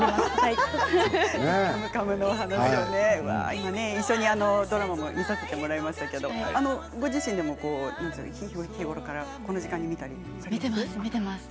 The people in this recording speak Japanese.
今、一緒にドラマを見させてもらいましたがご自身でも日頃からこの時間に見ているんですか？